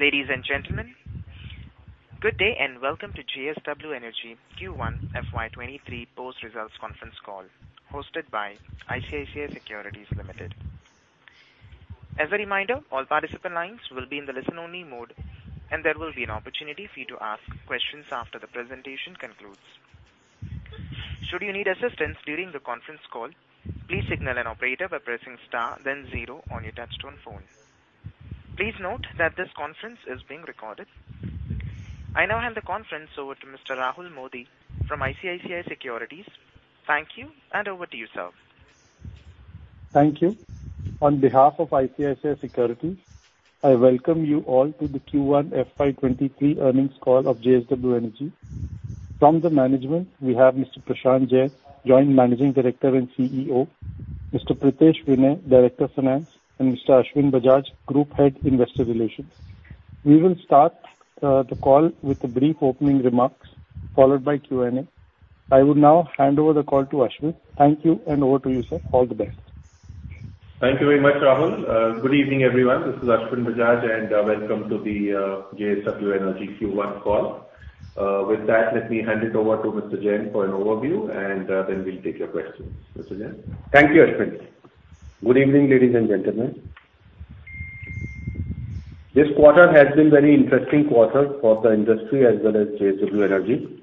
Ladies and gentlemen, good day and welcome to JSW Energy Q1 FY23 post-results conference call hosted by ICICI Securities Limited. As a reminder, all participant lines will be in the listen-only mode, and there will be an opportunity for you to ask questions after the presentation concludes. Should you need assistance during the conference call, please signal an operator by pressing star then zero on your touchtone phone. Please note that this conference is being recorded. I now hand the conference over to Mr. Rahul Modi from ICICI Securities. Thank you, and over to you, sir. Thank you. On behalf of ICICI Securities, I welcome you all to the Q1 FY23 earnings call of JSW Energy. From the management, we have Mr. Prashant Jain, Joint Managing Director and CEO, Mr. Pritesh Vinay, Director of Finance, and Mr. Ashwin Bajaj, Group Head, Investor Relations. We will start the call with a brief opening remarks followed by Q&A. I would now hand over the call to Ashwin. Thank you, and over to you, sir. All the best. Thank you very much, Rahul. Good evening, everyone. This is Ashwin Bajaj, and welcome to the JSW Energy Q1 call. With that, let me hand it over to Mr. Jain for an overview, and then we'll take your questions. Mr. Jain? Thank you, Ashwin. Good evening, ladies and gentlemen. This quarter has been a very interesting quarter for the industry as well as JSW Energy.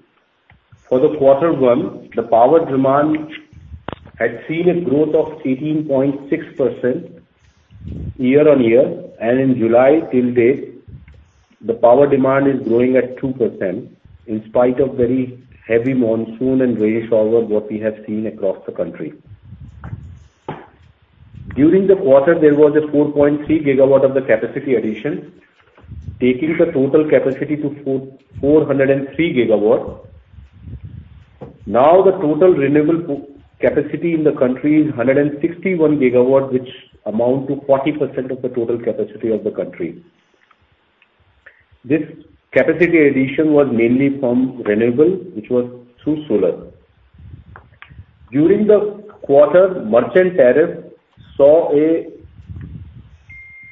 For quarter one, the power demand had seen a growth of 18.6% year-on-year, and in July till date, the power demand is growing at 2% in spite of very heavy monsoon and rain shower what we have seen across the country. During the quarter, there was 4.3 GW of capacity addition, taking the total capacity to 404.3 GW. Now the total renewable capacity in the country is 161 GW which amount to 40% of the total capacity of the country. This capacity addition was mainly from renewable which was through solar. During the quarter, merchant tariff saw an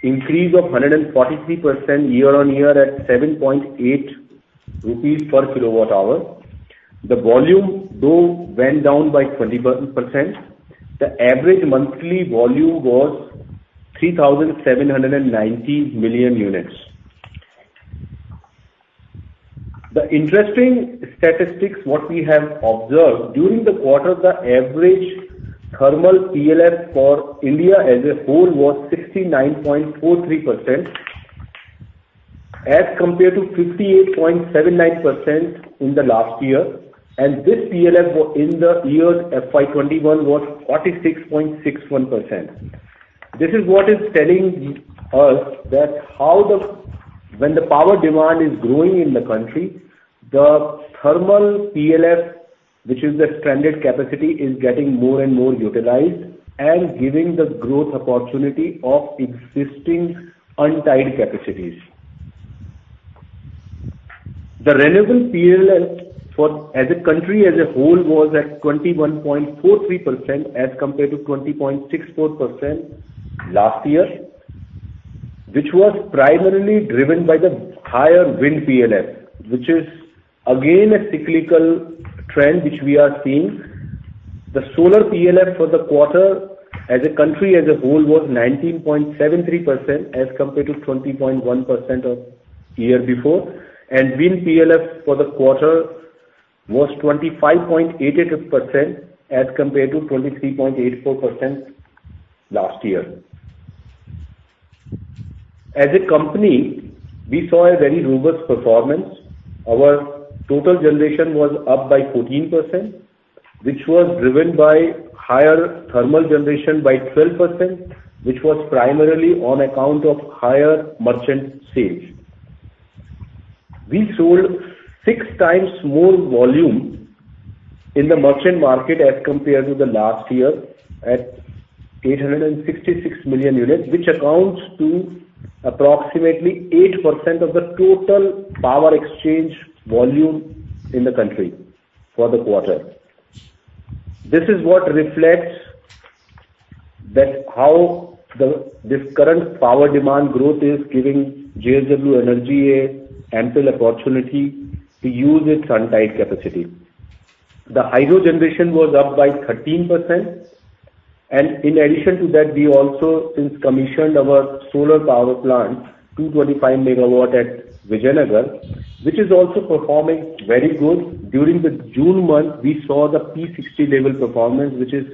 increase of 143% year-on-year at 7.8 rupees per kWh. The volume though went down by 20%. The average monthly volume was 3,790 million units. The interesting statistics what we have observed during the quarter, the average thermal PLF for India as a whole was 69.43% as compared to 58.79% in the last year. This PLF in the year FY 2021 was 46.61%. This is what is telling us that how the, when the power demand is growing in the country, the thermal PLF, which is the stranded capacity, is getting more and more utilized and giving the growth opportunity of existing untied capacities. The renewable PLF for the country as a whole was at 21.43% as compared to 20.64% last year, which was primarily driven by the higher wind PLF, which is again a cyclical trend which we are seeing. The solar PLF for the quarter as a country as a whole was 19.73% as compared to 20.1% last year. Wind PLF for the quarter was 25.88% as compared to 23.84% last year. As a company, we saw a very robust performance. Our total generation was up by 14%, which was driven by higher thermal generation by 12%, which was primarily on account of higher merchant sales. We sold six times more volume in the merchant market as compared to the last year at 866 million units, which accounts for approximately 8% of the total power exchange volume in the country for the quarter. This is what reflects that how this current power demand growth is giving JSW Energy an ample opportunity to use its untied capacity. The hydro generation was up by 13%. In addition to that, we also since commissioned our solar power plant, 225 MW at Vijayanagar, which is also performing very good. During the June month, we saw the P60 level performance, which is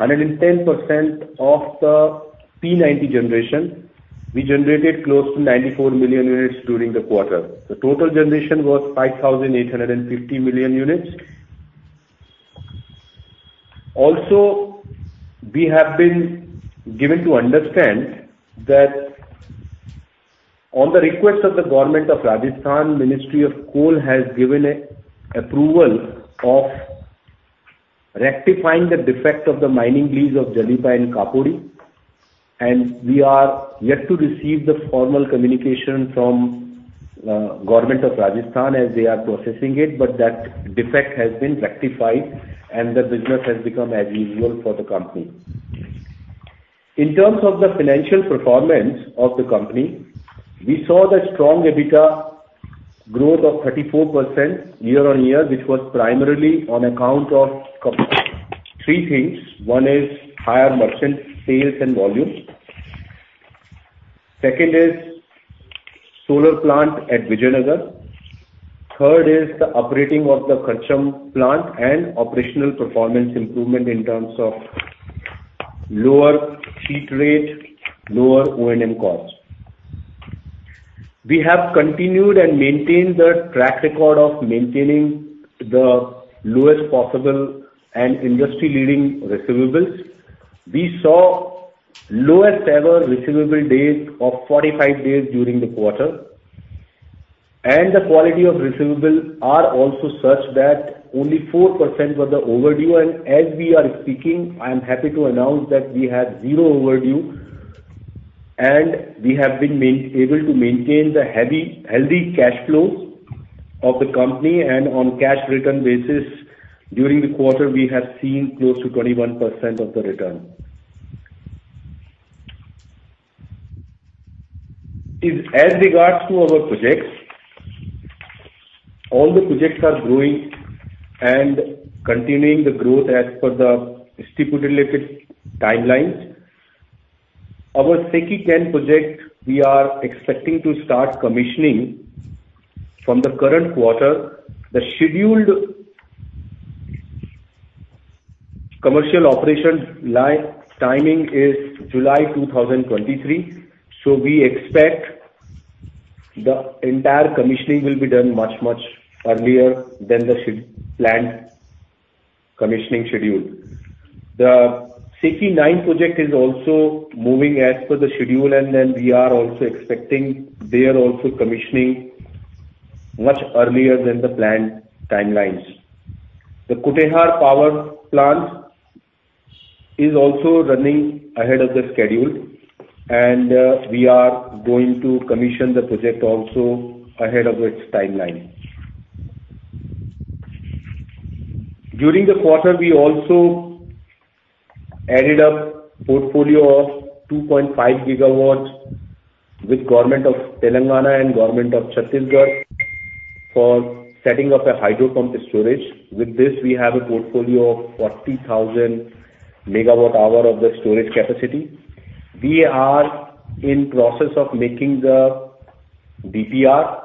110% of the P90 generation. We generated close to 94 million units during the quarter. The total generation was 5,850 million units. We have been given to understand that on the request of the government of Rajasthan, Ministry of Coal has given an approval of rectifying the defect of the mining lease of Jalipa and Kapurdi, and we are yet to receive the formal communication from government of Rajasthan as they are processing it, but that defect has been rectified and the business has become as usual for the company. In terms of the financial performance of the company, we saw strong EBITDA growth of 34% year-on-year, which was primarily on account of three things. One is higher merchant sales and volume. Second is solar plant at Vijaynagar. Third is the uprating of the Karcham plant and operational performance improvement in terms of lower heat rate, lower O&M costs. We have continued and maintained the track record of maintaining the lowest possible and industry-leading receivables. We saw lowest ever receivable days of 45 days during the quarter. The quality of receivables are also such that only 4% were the overdue. As we are speaking, I am happy to announce that we have 0 overdue and we have been able to maintain the healthy cash flow of the company. On cash return basis during the quarter we have seen close to 21% of the return. With regards to our projects, all the projects are growing and continuing the growth as per the stipulated timelines. Our SECI Tranche X project we are expecting to start commissioning from the current quarter. The scheduled commercial operation timing is July 2023. We expect the entire commissioning will be done much, much earlier than the planned commissioning schedule. The SECI Tranche IX project is also moving as per the schedule and then we are also expecting they are also commissioning much earlier than the planned timelines. The Kutehr Power Plant is also running ahead of the schedule, and we are going to commission the project also ahead of its timeline. During the quarter, we also added a portfolio of 2.5 GW with Government of Telangana and Government of Chhattisgarh for setting up a pumped storage. With this, we have a portfolio of 40,000 megawatt-hours of the storage capacity. We are in process of making the DPR.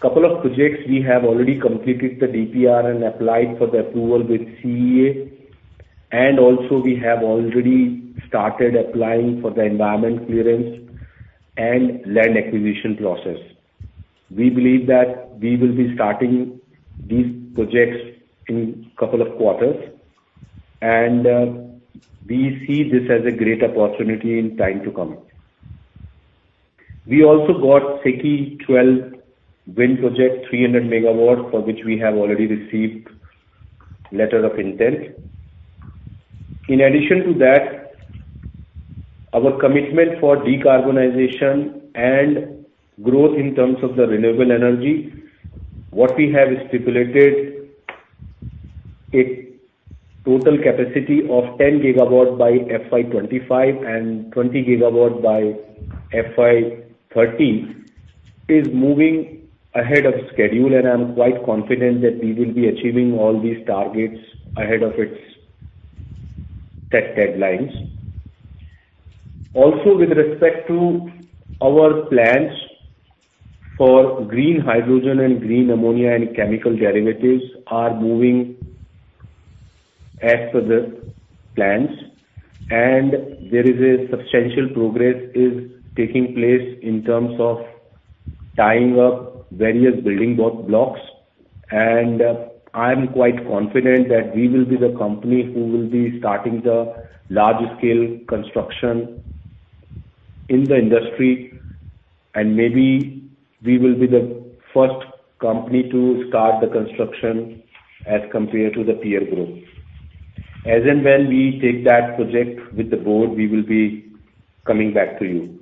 Couple of projects we have already completed the DPR and applied for the approval with CEA. We have already started applying for the environmental clearance and land acquisition process. We believe that we will be starting these projects in couple of quarters, and we see this as a great opportunity in time to come. We also got SECI Tranche XII wind project, 300 MW, for which we have already received letter of intent. In addition to that, our commitment for decarbonization and growth in terms of the renewable energy, what we have stipulated a total capacity of 10 GW by FY 2025 and 20 GW by FY 2030 is moving ahead of schedule. I'm quite confident that we will be achieving all these targets ahead of its set deadlines. Also, with respect to our plans for green hydrogen and green ammonia and chemical derivatives are moving as per the plans. There is substantial progress taking place in terms of tying up various building blocks. I'm quite confident that we will be the company who will be starting the large scale construction in the industry, and maybe we will be the first company to start the construction as compared to the peer group. As and when we take that project with the board, we will be coming back to you.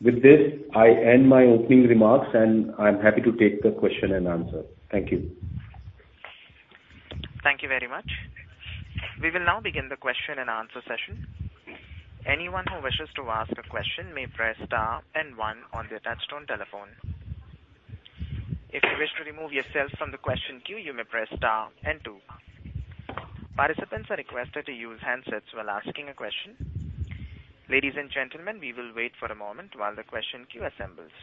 With this, I end my opening remarks, and I'm happy to take the question and answer. Thank you. Thank you very much. We will now begin the question and answer session. Anyone who wishes to ask a question may press star and one on their touchtone telephone. If you wish to remove yourself from the question queue, you may press star and two. Participants are requested to use handsets while asking a question. Ladies and gentlemen, we will wait for a moment while the question queue assembles.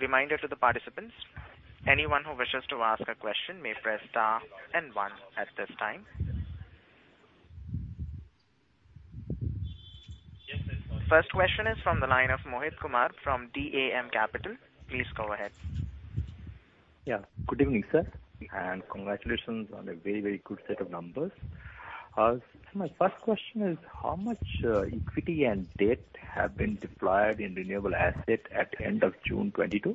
Reminder to the participants, anyone who wishes to ask a question may press star and one at this time. Yes, I sorry- First question is from the line of Mohit Kumar from DAM Capital. Please go ahead. Yeah. Good evening, sir, and congratulations on a very, very good set of numbers. My first question is how much equity and debt have been deployed in renewable assets at end of June 2022?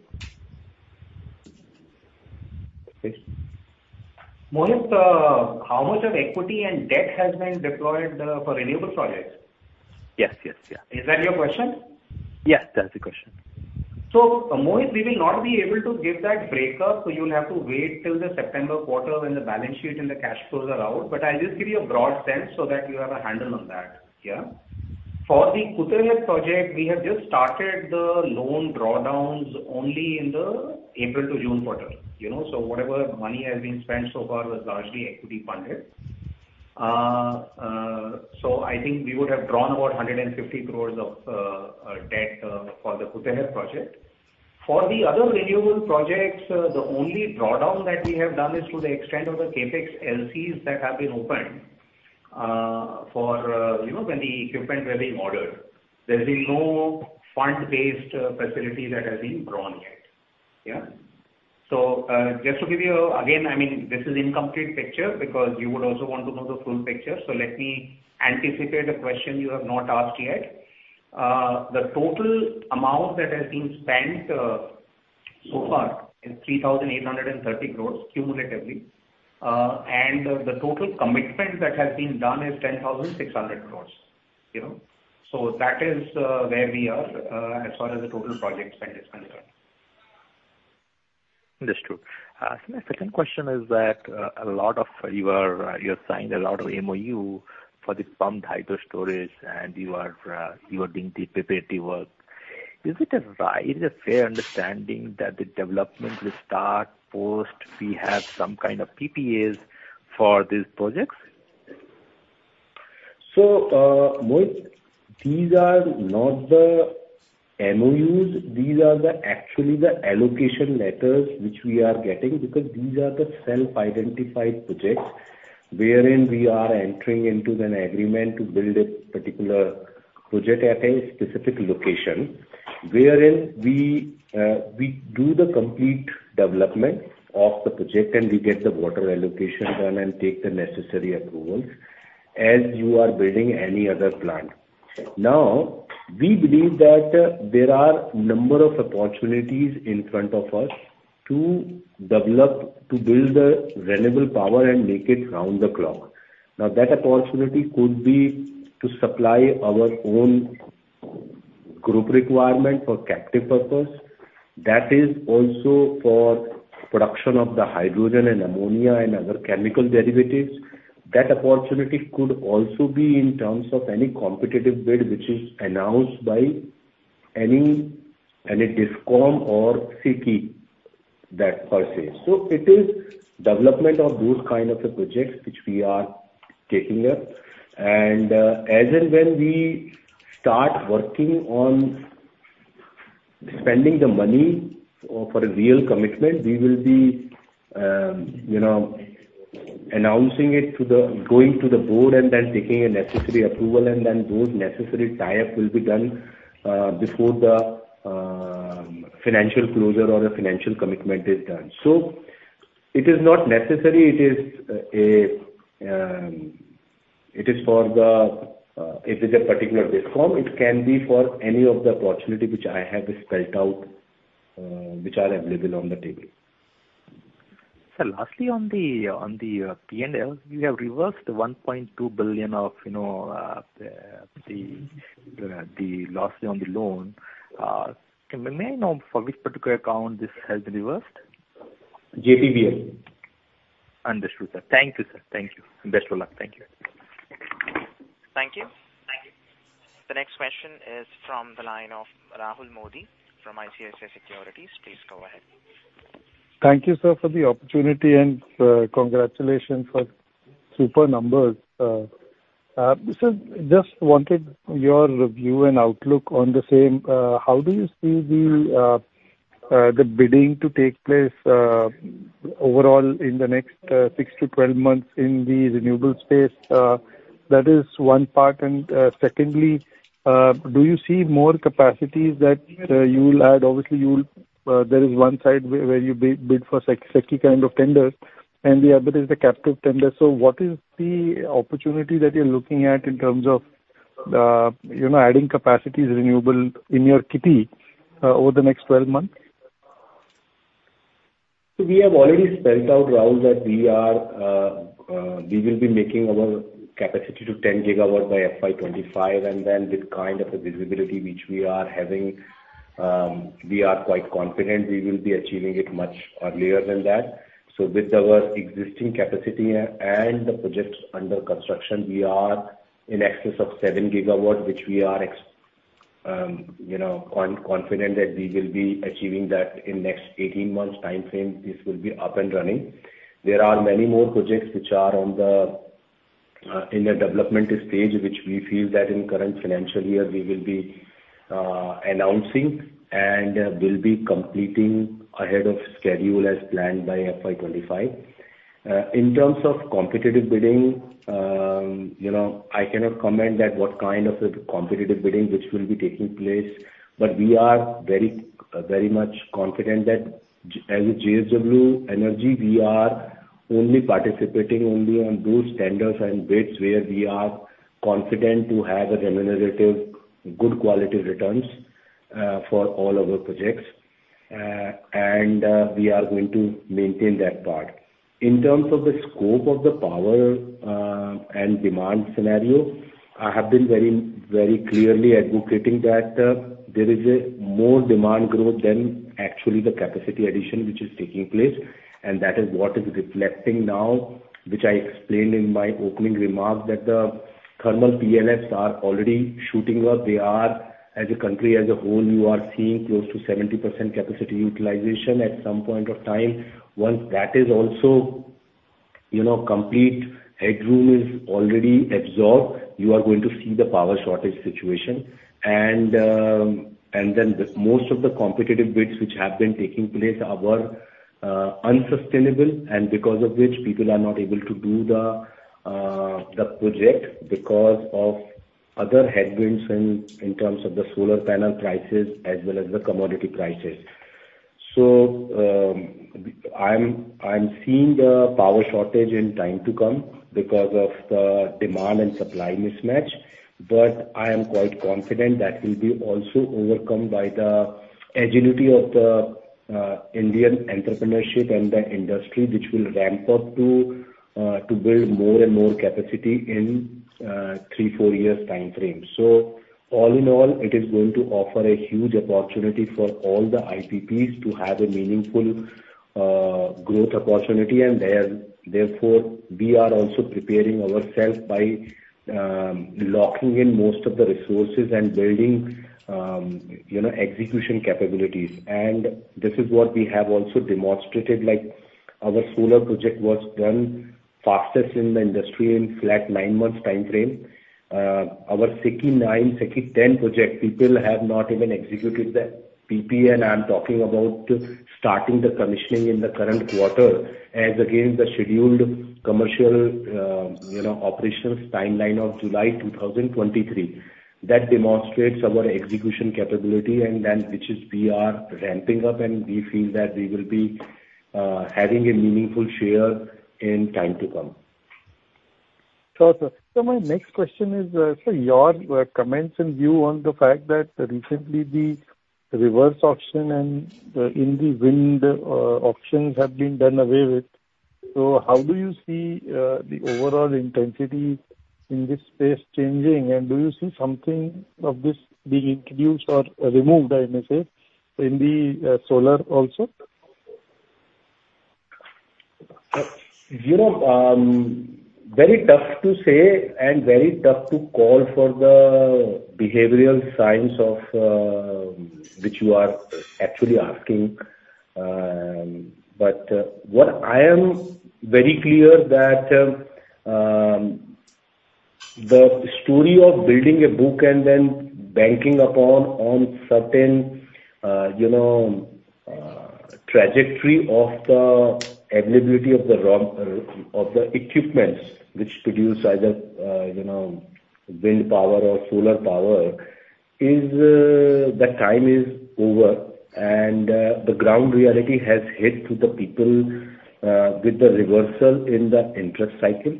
Mohit, how much of equity and debt has been deployed for renewable projects? Yes, yeah. Is that your question? Yes, that's the question. Mohit, we will not be able to give that breakup, so you'll have to wait till the September quarter when the balance sheet and the cash flows are out. But I'll just give you a broad sense so that you have a handle on that, yeah. For the Kutehr project, we have just started the loan drawdowns only in the April to June quarter, you know. Whatever money has been spent so far was largely equity funded. So I think we would have drawn about 150 crore of debt for the Kutehr project. For the other renewable projects, the only drawdown that we have done is to the extent of the CapEx LCs that have been opened for, you know, when the equipment were being ordered. There's been no fund-based facility that has been drawn yet. Yeah. Just to give you, again, I mean, this is incomplete picture because you would also want to know the full picture. Let me anticipate a question you have not asked yet. The total amount that has been spent so far is 3,830 crores cumulatively. And the total commitment that has been done is 10,600 crores, you know. That is where we are as far as the total project spend is concerned. Understood. My second question is that, a lot of your, you have signed a lot of MoU for this pumped storage, and you are doing the preparatory work. Is it a right, a fair understanding that the development will start post we have some kind of PPAs for these projects? Mohit, these are not the MoUs. These are actually the allocation letters which we are getting because these are the self-identified projects wherein we are entering into an agreement to build a particular project at a specific location. Wherein we do the complete development of the project and we get the water allocation done and take the necessary approvals as you are building any other plant. Now, we believe that there are number of opportunities in front of us to develop, to build the renewable power and make it round the clock. Now, that opportunity could be to supply our own group requirement for captive purpose. That is also for production of the hydrogen and ammonia and other chemical derivatives. That opportunity could also be in terms of any competitive bid which is announced by any DISCOM or CPSE that per se. It is development of those kind of the projects which we are taking up. As and when we start working on spending the money for a real commitment, we will be announcing it, going to the board and then taking a necessary approval and then those necessary tie-up will be done before the financial closure or the financial commitment is done. It is not necessary it is a, it is for the, if it's a particular DISCOM, it can be for any of the opportunity which I have spelled out, which are available on the table. Sir, lastly on the P&L, you have reversed 1.2 billion of the loss on the loan. May I know for which particular account this has been reversed? JPBL. Understood, sir. Thank you, sir. Thank you. Best of luck. Thank you. Thank you. The next question is from the line of Rahul Modi from ICICI Securities. Please go ahead. Thank you, sir, for the opportunity and, congratulations for super numbers. Sir, just wanted your review and outlook on the same. How do you see the bidding to take place overall in the next six to 12 months in the renewable space? That is one part, and secondly, do you see more capacities that you will add? Obviously, there is one side where you bid for SECI kind of tenders, and the other is the captive tender. So what is the opportunity that you're looking at in terms of, you know, adding capacities renewable in your kitty over the next 12 months? We have already spelled out, Rahul, that we are, we will be making our capacity to 10 GW by FY 2025, and then with kind of a visibility which we are having, we are quite confident we will be achieving it much earlier than that. With our existing capacity and the projects under construction, we are in excess of 7 GW, which we are, you know, confident that we will be achieving that in next 18 months timeframe. This will be up and running. There are many more projects which are in the development stage, which we feel that in current financial year we will be announcing and will be completing ahead of schedule as planned by FY 2025. In terms of competitive bidding, you know, I cannot comment at what kind of a competitive bidding which will be taking place. We are very much confident that as a JSW Energy we are only participating on those tenders and bids where we are confident to have a remunerative good quality returns for all our projects. We are going to maintain that part. In terms of the scope of the power and demand scenario, I have been very clearly advocating that there is more demand growth than actually the capacity addition which is taking place, and that is what is reflecting now, which I explained in my opening remarks that the thermal PLFs are already shooting up. They are as a country as a whole, you are seeing close to 70% capacity utilization at some point of time. Once that is also, you know, complete headroom is already absorbed, you are going to see the power shortage situation. Then the most of the competitive bids which have been taking place are unsustainable and because of which people are not able to do the project because of other headwinds in terms of the solar panel prices as well as the commodity prices. I'm seeing the power shortage in time to come because of the demand and supply mismatch. I am quite confident that will be also overcome by the agility of the Indian entrepreneurship and the industry which will ramp up to build more and more capacity in 3-4 years timeframe. All in all, it is going to offer a huge opportunity for all the IPPs to have a meaningful growth opportunity. Therefore, we are also preparing ourselves by locking in most of the resources and building execution capabilities. This is what we have also demonstrated, like our solar project was done fastest in the industry in flat nine months timeframe. Our SECI Tranche IX, SECI Tranche X project, people have not even executed the PPA and I'm talking about starting the commissioning in the current quarter as against the scheduled commercial operations timeline of July 2023. That demonstrates our execution capability and then which is we are ramping up and we feel that we will be having a meaningful share in time to come. Sure, sir. My next question is, sir, your comments and views on the fact that recently the reverse auction and the Indian wind auctions have been done away with. How do you see the overall intensity in this space changing and do you see something like this being introduced or removed, I must say, in the solar also? You know, very tough to say and very tough to call for the behavioral science of which you are actually asking. What I am very clear that the story of building a book and then banking upon certain, you know, trajectory of the availability of the equipments which produce either, you know, wind power or solar power is the time is over. The ground reality has hit to the people with the reversal in the interest cycle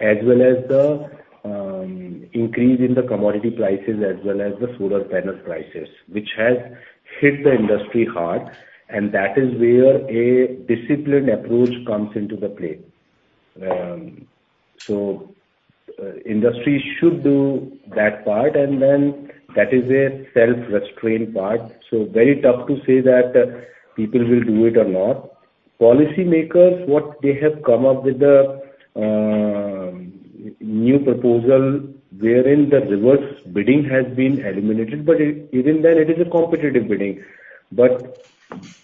as well as the increase in the commodity prices, as well as the solar panels prices, which has hit the industry hard. That is where a disciplined approach comes into the play. Industry should do that part, and then that is a self-restraint part. Very tough to say that people will do it or not. Policymakers, what they have come up with the new proposal wherein the reverse bidding has been eliminated. Even then it is a competitive bidding.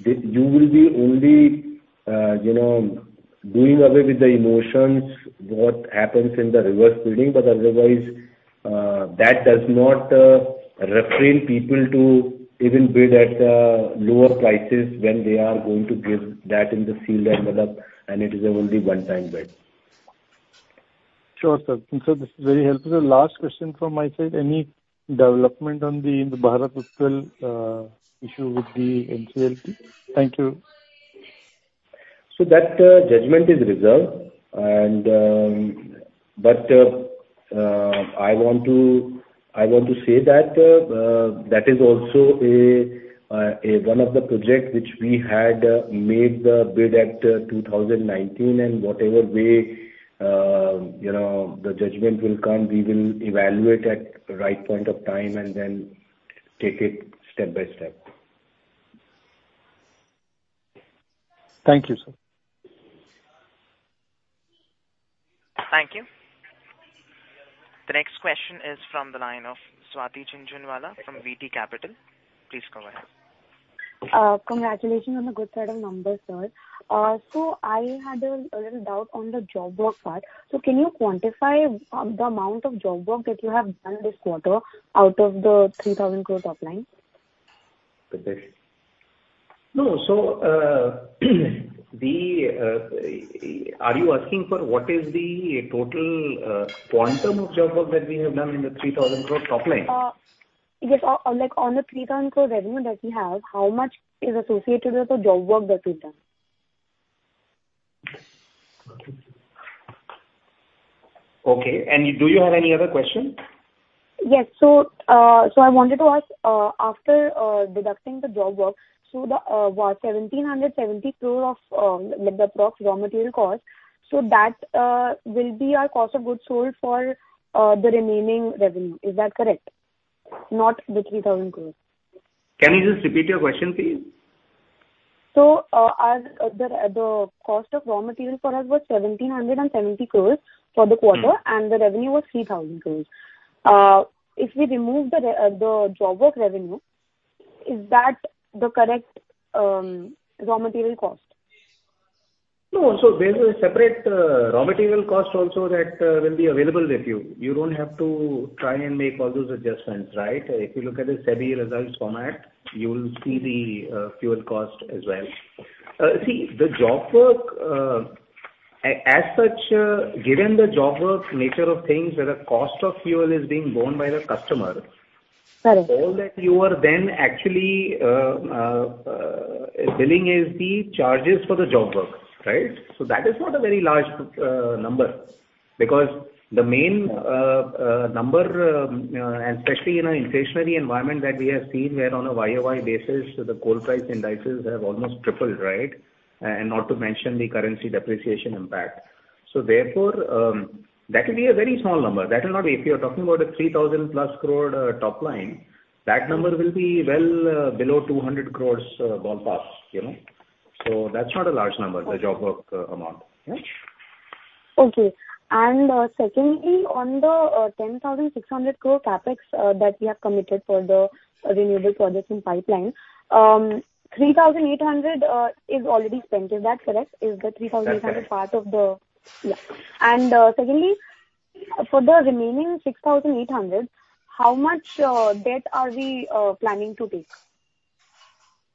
You will be only, you know, doing away with the emotions, what happens in the reverse bidding. Otherwise, that does not refrain people to even bid at lower prices when they are going to give that in the field and develop and it is only one time bid. Sure, sir. This is very helpful. Last question from my side. Any development on the Ind-Barath issue with the NCLT? Thank you. Judgment is reserved, but I want to say that that is also one of the project which we had made the bid at 2019. Whatever way, you know, the judgment will come, we will evaluate at right point of time and then take it step by step. Thank you, sir. Thank you. The next question is from the line of Swati Jhunjhunwala from Vallum Capital. Please go ahead. Congratulations on the good set of numbers, sir. I had a little doubt on the job work part. Can you quantify the amount of job work that you have done this quarter out of the 3,000 crore top line? No. Are you asking for what is the total quantum of job work that we have done in the 3,000 crore top line? Yes. Like, on the 3,000 crore revenue that we have, how much is associated with the job work that we've done? Okay. Do you have any other question? Yes. I wanted to ask, after deducting the job work, so the 1,770 crore of, like, the approx raw material cost, so that will be our cost of goods sold for the remaining revenue. Is that correct? Not the 3,000 crores. Can you just repeat your question, please? as the cost of raw material for us was 1,770 crores for the quarter. Mm-hmm. The revenue was 3,000 crore. If we remove the job work revenue, is that the correct raw material cost? No. There's a separate, raw material cost also that will be available with you. You don't have to try and make all those adjustments, right? If you look at the SEBI results format, you will see the fuel cost as well. See, the job work as such, given the job work nature of things, where the cost of fuel is being borne by the customer. Correct. All that you are then actually billing is the charges for the job work, right? That is not a very large number. Because the main number and especially in an inflationary environment that we have seen, where on a year-over-year basis, the coal price indices have almost tripled, right? Not to mention the currency depreciation impact. Therefore, that will be a very small number. That will not be. If you're talking about a 3,000+ crore top line, that number will be well below 200 crore, ballpark, you know. That's not a large number. Okay. The job work amount. Yeah. Okay. Secondly, on the 10,600 crore CapEx that we have committed for the renewable projects and pipeline, 3,800 is already spent. Is that correct? Is the 3,800- That's right. Secondly, for the remaining 6,800, how much debt are we planning to take?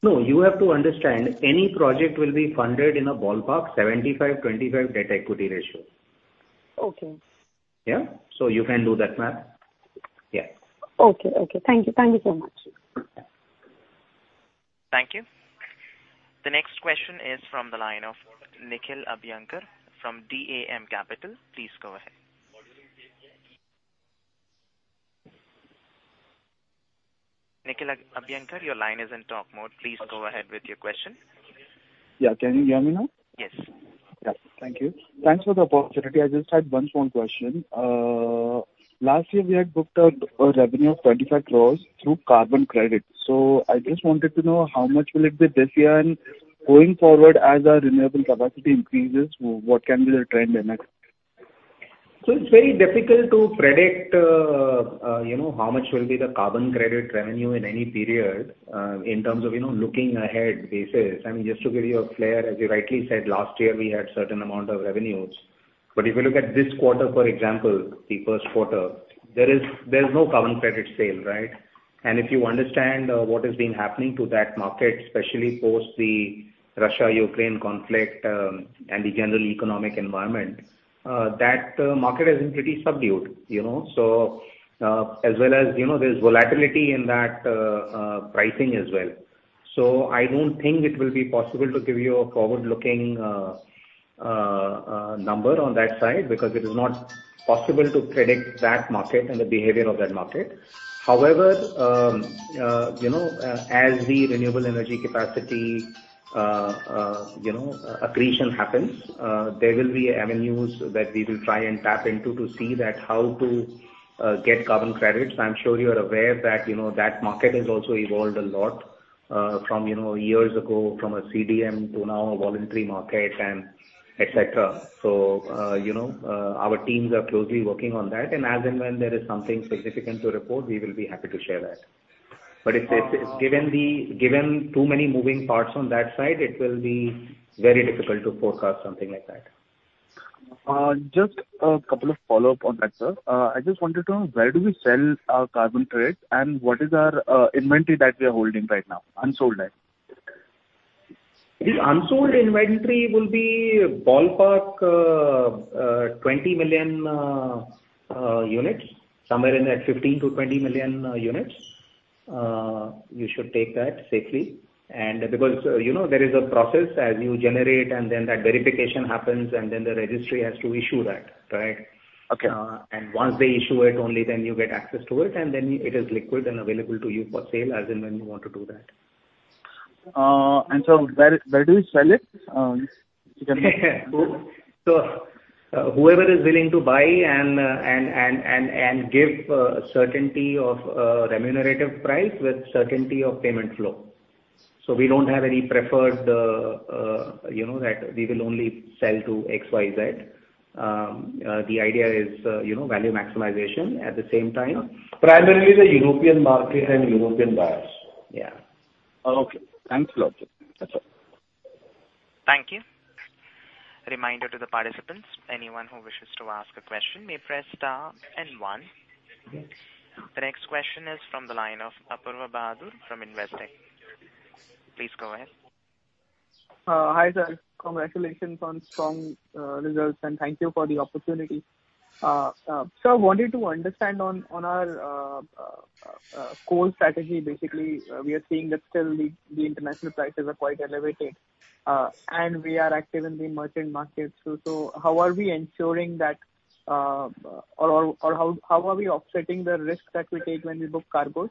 No, you have to understand, any project will be funded in a ballpark 75/25 debt/equity ratio. Okay. Yeah. You can do that math. Yeah. Okay. Thank you so much. Thank you. The next question is from the line of Nikhil Abhyankar from DAM Capital. Please go ahead. Nikhil Abhyankar, your line is in talk mode. Please go ahead with your question. Yeah. Can you hear me now? Yes. Thank you. Thanks for the opportunity. I just had one small question. Last year we had booked a revenue of 25 crore through carbon credit. I just wanted to know how much will it be this year, and going forward, as our renewable capacity increases, what can be the trend in it? It's very difficult to predict, you know, how much will be the carbon credit revenue in any period, in terms of, you know, looking ahead basis. I mean, just to give you a flavor, as you rightly said, last year we had certain amount of revenues. If you look at this quarter, for example, the first quarter, there is no carbon credit sale, right? If you understand what has been happening to that market, especially post the Russia-Ukraine conflict, and the general economic environment, that market has been pretty subdued, you know. As well as, you know, there's volatility in that pricing as well. I don't think it will be possible to give you a forward-looking number on that side, because it is not possible to predict that market and the behavior of that market. However, you know, as the renewable energy capacity you know accretion happens, there will be avenues that we will try and tap into to see that how to get carbon credits. I'm sure you are aware that, you know, that market has also evolved a lot from you know years ago from a CDM to now a voluntary market and et cetera. You know, our teams are closely working on that. As and when there is something significant to report, we will be happy to share that. If given too many moving parts on that side, it will be very difficult to forecast something like that. Just a couple of follow-up on that, sir. I just wanted to know where do we sell our carbon credits, and what is our inventory that we are holding right now, unsold at? The unsold inventory will be ballpark 20 million units, somewhere in that 15-20 million units. You should take that safely. Because, you know, there is a process as you generate and then that verification happens, and then the registry has to issue that, right? Okay. Once they issue it, only then you get access to it, and then it is liquid and available to you for sale as and when you want to do that. Where do you sell it? If you can- Whoever is willing to buy and give certainty of remunerative price with certainty of payment flow. We don't have any preferred, you know, that we will only sell to XYZ. The idea is, you know, value maximization at the same time. Primarily the European market and European buyers. Yeah. Okay. Thanks a lot. That's all. Thank you. Reminder to the participants, anyone who wishes to ask a question may press star and one. The next question is from the line of Apoorva Bahadur from Investec. Please go ahead. Hi, sir. Congratulations on strong results, thank you for the opportunity. Sir, wanted to understand on our coal strategy. Basically, we are seeing that still the international prices are quite elevated, and we are active in the merchant market too. How are we ensuring that, or how are we offsetting the risks that we take when we book cargoes?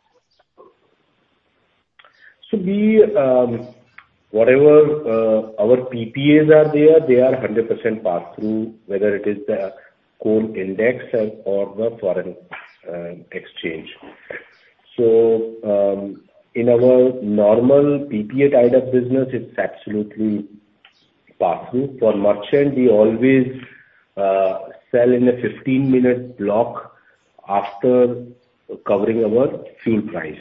Whatever our PPAs are there, they are 100% pass-through, whether it is the coal index and/or the foreign exchange. In our normal PPA type of business, it's absolutely pass-through. For merchant, we always sell in a 15-minute block after covering our fuel price.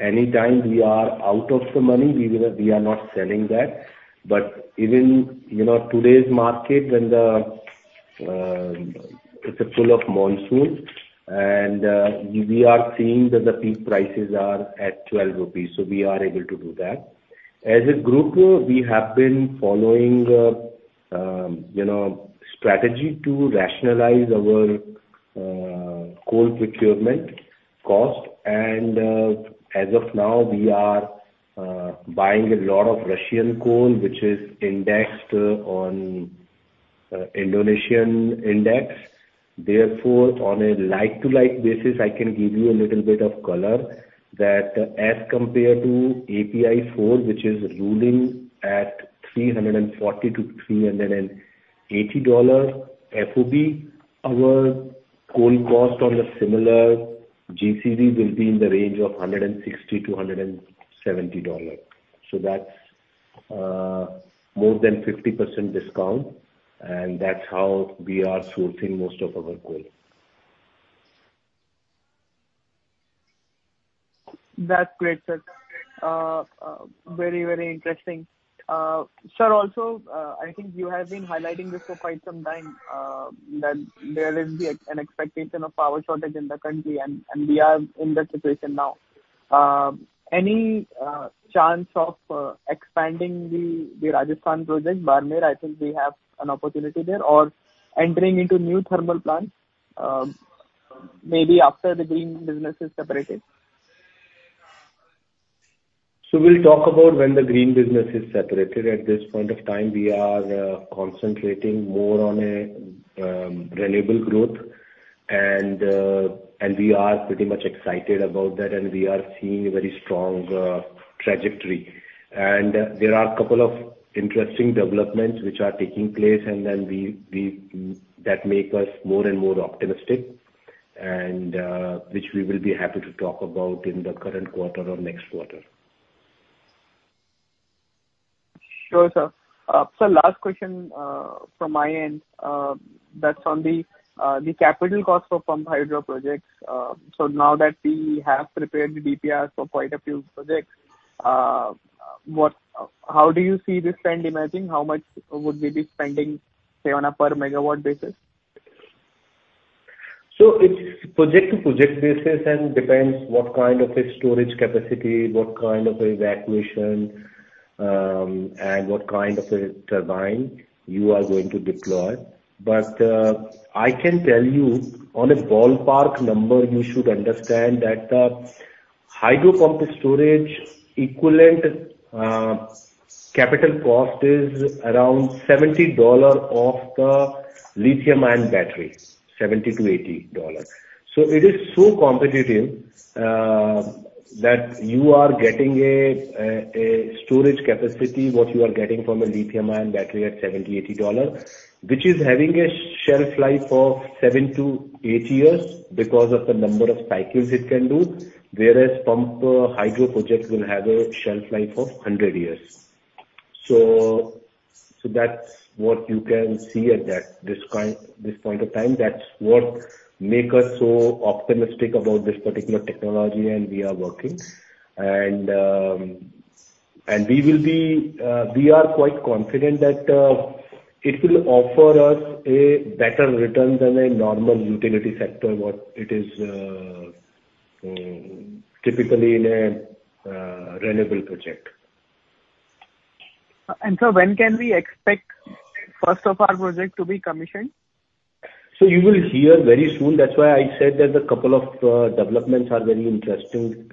Any time we are out of the money, we are not selling that. Even, you know, today's market, when it's full monsoon and we are seeing that the peak prices are at 12 rupees, we are able to do that. As a group, we have been following a, you know, strategy to rationalize our coal procurement cost. As of now, we are buying a lot of Russian coal which is indexed on Indonesian Coal Index. Therefore, on a like-to-like basis, I can give you a little bit of color that as compared to API 4, which is ruling at $340-380 FOB, our coal cost on a similar GCV will be in the range of $160-170. That's more than 50% discount, and that's how we are sourcing most of our coal. That's great, sir. Very interesting. Sir, also, I think you have been highlighting this for quite some time, that there is an expectation of power shortage in the country and we are in that situation now. Any chance of expanding the Rajasthan project, Barmer? I think we have an opportunity there. Or entering into new thermal plants, maybe after the green business is separated. We'll talk about when the green business is separated. At this point of time, we are concentrating more on a renewable growth and we are pretty much excited about that, and we are seeing a very strong trajectory. There are a couple of interesting developments which are taking place that make us more and more optimistic and which we will be happy to talk about in the current quarter or next quarter. Sure, sir. Sir, last question from my end, that's on the capital cost for pumped hydro projects. Now that we have prepared the DPRs for quite a few projects, how do you see the spend emerging? How much would we be spending, say, on a per megawatt basis? It's project to project basis and depends what kind of a storage capacity, what kind of evacuation, and what kind of a turbine you are going to deploy. I can tell you on a ballpark number, you should understand that, Pumped storage hydropower equivalent, capital cost is around $70 of the lithium-ion battery, $70-80. It is so competitive, that you are getting a storage capacity, what you are getting from a lithium-ion battery at $70-80, which is having a shelf life of 7-8 years because of the number of cycles it can do. Whereas pumped hydro project will have a shelf life of 100 years. That's what you can see at this point in time. That's what make us so optimistic about this particular technology and we are working. We are quite confident that it will offer us a better return than a normal utility sector, what it is typically in a renewable project. Sir, when can we expect first of our project to be commissioned? You will hear very soon. That's why I said that a couple of developments are very interesting.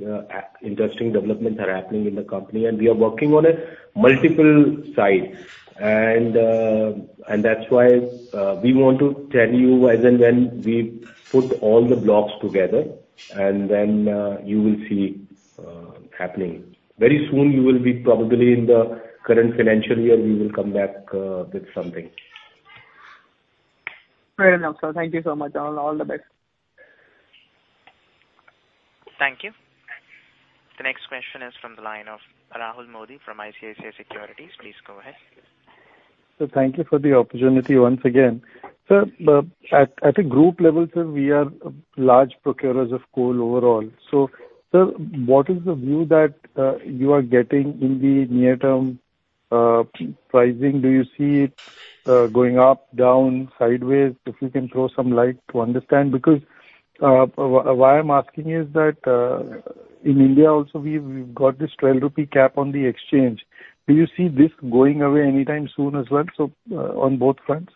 Interesting developments are happening in the company, and we are working on a multiple sites. And that's why we want to tell you as and when we put all the blocks together and then you will see happening. Very soon, you will be probably in the current financial year, we will come back with something. Fair enough, sir. Thank you so much. All the best. Thank you. The next question is from the line of Rahul Modi from ICICI Securities. Please go ahead. Sir, thank you for the opportunity once again. Sir, at a group level, sir, we are large procurers of coal overall. Sir, what is the view that you are getting in the near-term pricing? Do you see it going up, down, sideways? If you can throw some light to understand. Because why I'm asking is that, in India also, we've got this 12 rupee cap on the exchange. Do you see this going away anytime soon as well, on both fronts?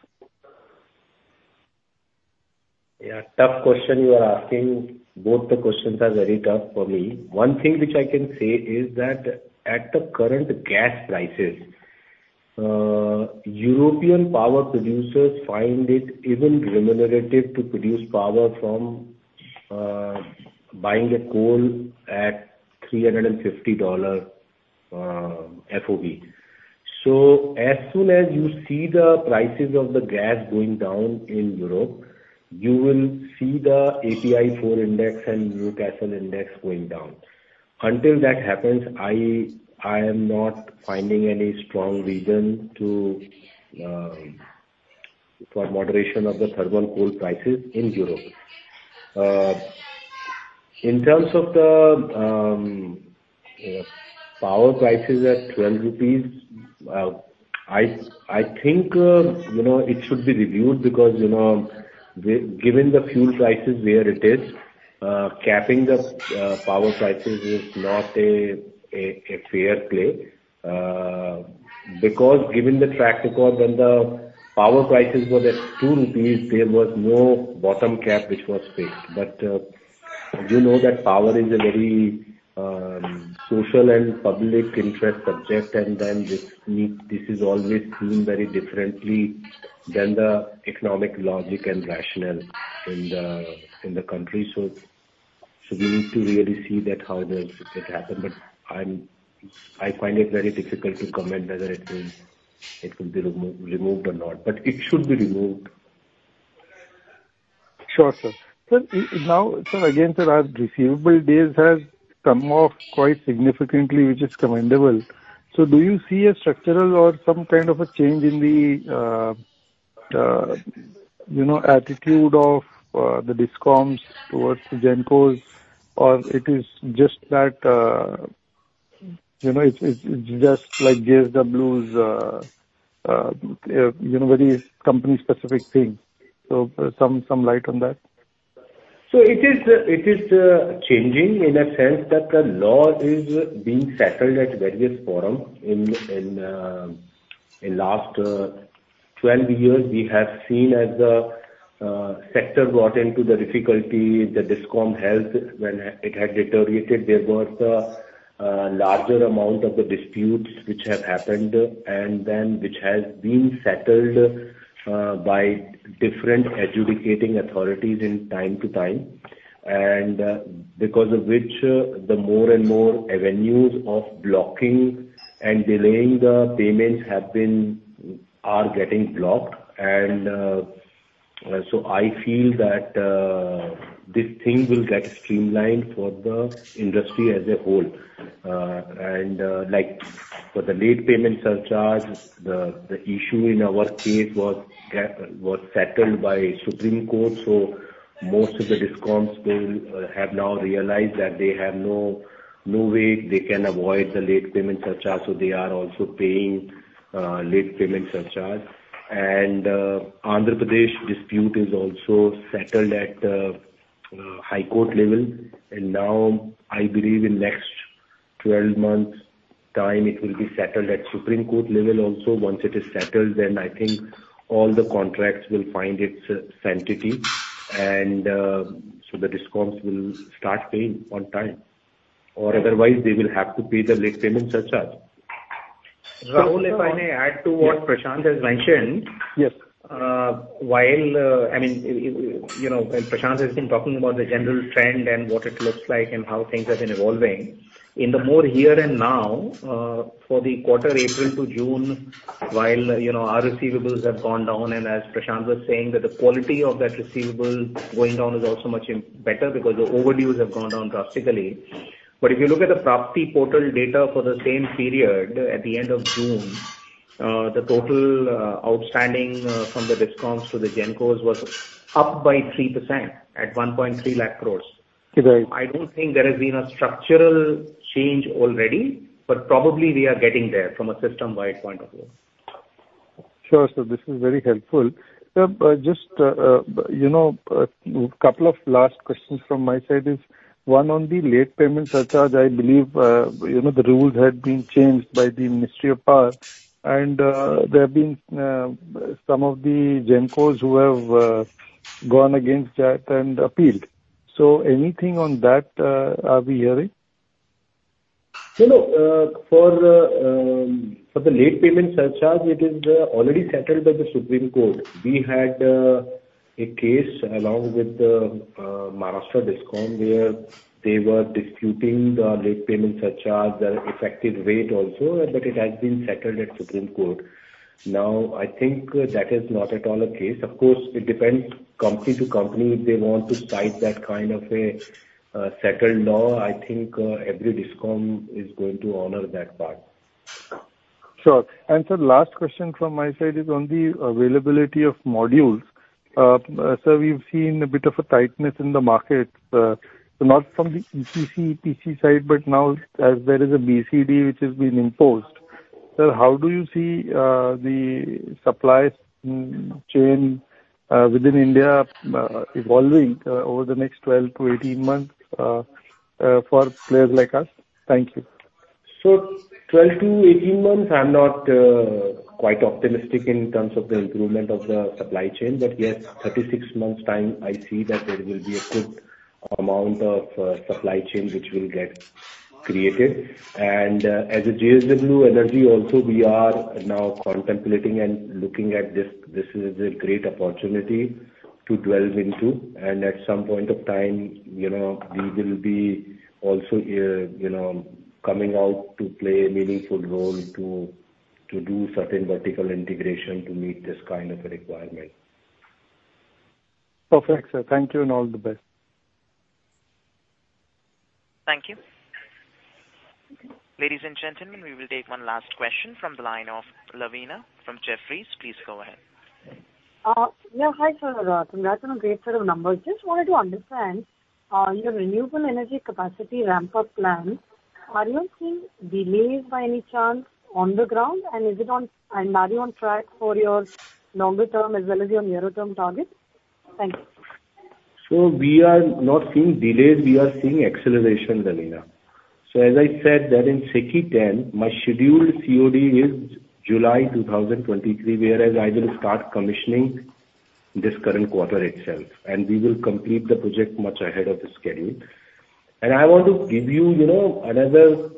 Yeah, tough question you are asking. Both the questions are very tough for me. One thing which I can say is that at the current gas prices, European power producers find it even remunerative to produce power from buying coal at $350 FOB. So as soon as you see the prices of the gas going down in Europe, you will see the API 4 index and Newcastle index going down. Until that happens, I am not finding any strong reason for moderation of the thermal coal prices in Europe. In terms of the power prices at INR 12, I think you know, it should be reviewed because you know, given the fuel prices where it is, capping the power prices is not a fair play, because given the track record when the power prices were at 2 rupees, there was no bottom cap which was fixed. You know that power is a very social and public interest subject, and then this need, this is always seen very differently than the economic logic and rationale in the country. We need to really see that how that could happen. I find it very difficult to comment whether it will be removed or not, but it should be removed. Sure, sir. Now, again, sir, our receivable days has come off quite significantly, which is commendable. Do you see a structural or some kind of a change in the you know, attitude of the DISCOMs towards the GENCOs? Or it is just that, you know, it's just like JSW's you know, very company-specific thing. Some light on that. It is changing in a sense that the law is being settled at various forums. In the last 12 years, we have seen as the sector got into difficulty, the DISCOM health, when it had deteriorated, there was a larger amount of the disputes which have happened and then which has been settled by different adjudicating authorities from time to time. Because of which, the more and more avenues of blocking and delaying the payments are getting blocked. I feel that this thing will get streamlined for the industry as a whole. Like for the late payment surcharge, the issue in our case was settled by Supreme Court of India. Most of the DISCOMs will have now realized that they have no way they can avoid the late payment surcharge, so they are also paying late payment surcharge. Andhra Pradesh dispute is also settled at High Court level. Now, I believe in next 12 months' time it will be settled at Supreme Court level also. Once it is settled, then I think all the contracts will find its sanctity. The DISCOMs will start paying on time, or otherwise they will have to pay the late payment surcharge. Rahul, if I may add to what Prashant has mentioned. Yes. While, I mean, you know, when Prashant has been talking about the general trend and what it looks like and how things have been evolving, in the more here and now, for the quarter April to June, while, you know, our receivables have gone down, and as Prashant was saying, that the quality of that receivable going down is also much better because the overdues have gone down drastically. If you look at the PRAAPTI portal data for the same period at the end of June, the total outstanding from the DISCOMs to the GENCOs was up by 3% at 1.3 lakh crore. Right. I don't think there has been a structural change already, but probably we are getting there from a system-wide point of view. Sure, sir. This is very helpful. Just, you know, a couple of last questions from my side is one on the Late Payment Surcharge. I believe, you know, the rules had been changed by the Ministry of Power, and there have been some of the GENCOs who have gone against that and appealed. Anything on that, are we hearing? You know, for the Late Payment Surcharge, it is already settled by the Supreme Court. We had a case along with the Maharashtra DISCOM, where they were disputing the Late Payment Surcharge, the effective rate also, but it has been settled at Supreme Court. Now, I think that is not at all a case. Of course, it depends company to company, if they want to cite that kind of a settled law. I think every DISCOM is going to honor that part. Sure. Sir, last question from my side is on the availability of modules. So we've seen a bit of a tightness in the market, not from the EPC, PTC side, but now as there is a BCD which has been imposed. Sir, how do you see the supply chain within India evolving over the next 12-18 months for players like us? Thank you. Twelve to eighteen months, I'm not quite optimistic in terms of the improvement of the supply chain. Yes, thirty-six months' time, I see that there will be a good amount of supply chain which will get created. As a JSW Energy also, we are now contemplating and looking at this. This is a great opportunity to delve into. At some point of time, you know, we will be also, you know, coming out to play a meaningful role to do certain vertical integration to meet this kind of a requirement. Perfect, sir. Thank you and all the best. Thank you. Ladies and gentlemen, we will take one last question from the line of Lavina from Jefferies. Please go ahead. Yeah. Hi, sir. Congrats on a great set of numbers. Just wanted to understand, on your renewable energy capacity ramp-up plans, are you seeing delays by any chance on the ground? Are you on track for your longer term as well as your nearer term targets? Thank you. We are not seeing delays, we are seeing acceleration, Lavina. As I said that in SECI Tranche X, my scheduled COD is July 2023, whereas I will start commissioning this current quarter itself, and we will complete the project much ahead of the schedule. I want to give you know, another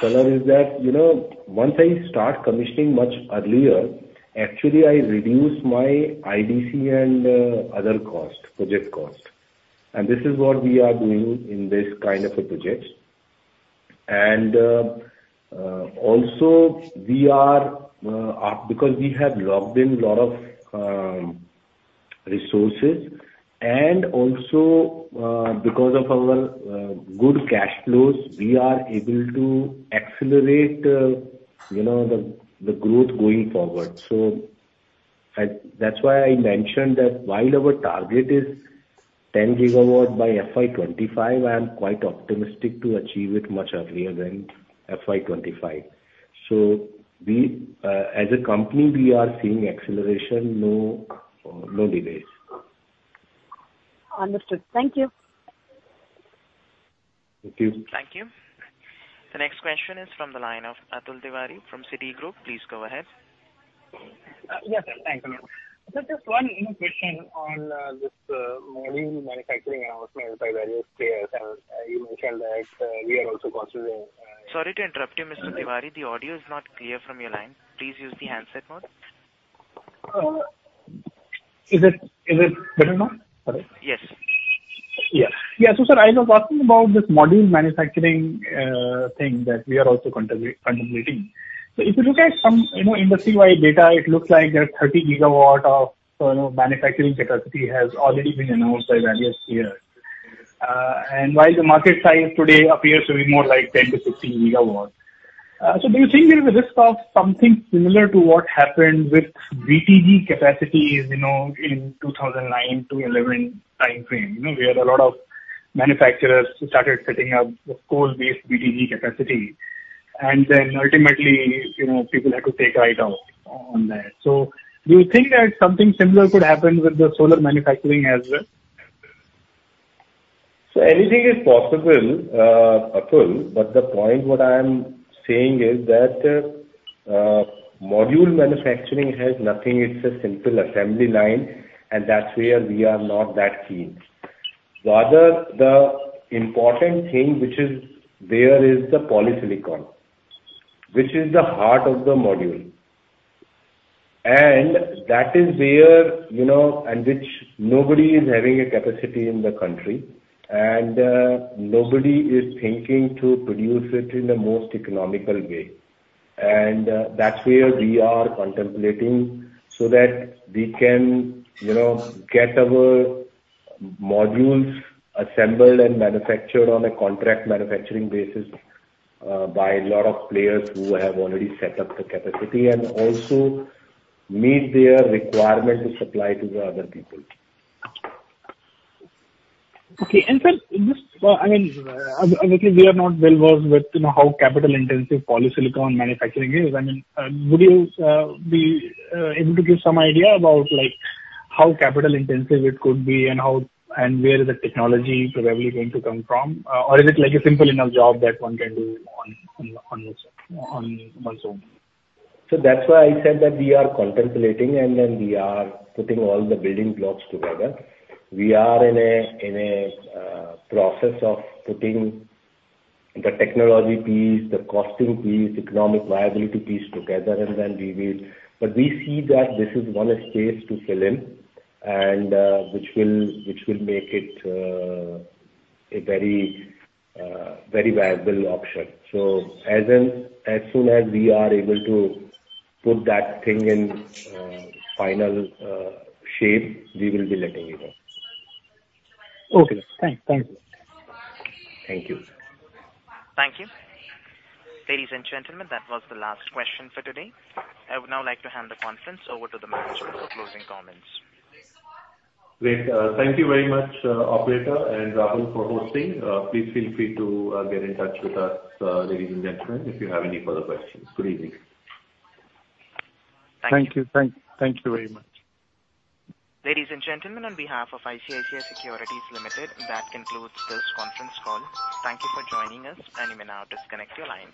color is that, you know, once I start commissioning much earlier, actually I reduce my IDC and other costs, project costs. This is what we are doing in this kind of a project. Also we are because we have locked in lot of resources and also because of our good cash flows, we are able to accelerate, you know, the growth going forward. I, that's why I mentioned that while our target is 10 GW by FY 2025, I am quite optimistic to achieve it much earlier than FY 2025. We, as a company, we are seeing acceleration, no delays. Understood. Thank you. Thank you. Thank you. The next question is from the line of Atul Tiwari from Citigroup. Please go ahead. Yes, sir. Thanks a lot. Just one, you know, question on this module manufacturing announcement by various players. You mentioned that we are also considering. Sorry to interrupt you, Mr. Tiwari. The audio is not clear from your line. Please use the handset mode. Is it better now? Sorry. Yes. Yeah. Sir, I was asking about this module manufacturing thing that we are also contemplating. If you look at some, you know, industry-wide data, it looks like 30 GW of, you know, manufacturing capacity has already been announced by various peers. While the market size today appears to be more like 10-15 GW. Do you think there is a risk of something similar to what happened with BTG capacities, you know, in 2009-2011 timeframe? You know, where a lot of manufacturers started setting up coal-based BTG capacity, and then ultimately, you know, people had to take a write-off on that. Do you think that something similar could happen with the solar manufacturing as well? Anything is possible, Atul, but the point what I'm saying is that, module manufacturing has nothing. It's a simple assembly line, and that's where we are not that keen. Rather, the important thing which is there is the polysilicon, which is the heart of the module. That is where, you know, which nobody is having a capacity in the country, and nobody is thinking to produce it in the most economical way. That's where we are contemplating so that we can, you know, get our modules assembled and manufactured on a contract manufacturing basis, by a lot of players who have already set up the capacity and also meet their requirement to supply to the other people. Okay. Sir, just, I mean, obviously we are not well-versed with, you know, how capital-intensive polysilicon manufacturing is. I mean, would you be able to give some idea about like how capital-intensive it could be and how, and where the technology is probably going to come from? Or is it like a simple enough job that one can do on its own? That's why I said that we are contemplating and then we are putting all the building blocks together. We are in a process of putting the technology piece, the costing piece, economic viability piece together, and then we will. We see that this is one space to fill in and which will make it a very viable option. As soon as we are able to put that thing in final shape, we will be letting you know. Okay. Thank you. Thank you. Thank you. Ladies and gentlemen, that was the last question for today. I would now like to hand the conference over to the manager for closing comments. Great. Thank you very much, operator and Rahul for hosting. Please feel free to get in touch with us, ladies and gentlemen, if you have any further questions. Good evening. Thank you very much. Ladies and gentlemen, on behalf of ICICI Securities Limited, that concludes this conference call. Thank you for joining us and you may now disconnect your lines.